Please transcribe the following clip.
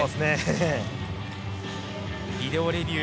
ビデオレビュー